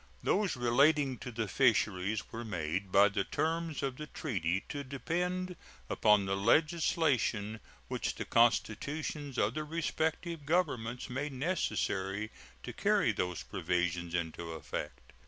Those relating to the fisheries were made by the terms of the treaty to depend upon the legislation which the constitutions of the respective Governments made necessary to carry those provisions into effect.